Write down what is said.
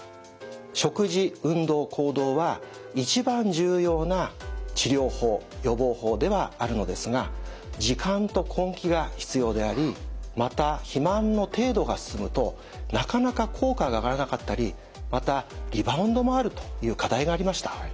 食事運動行動は一番重要な治療法予防法ではあるのですが時間と根気が必要でありまた肥満の程度が進むとなかなか効果が上がらなかったりまたリバウンドもあるという課題がありました。